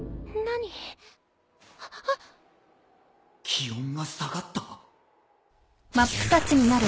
気温が下がった？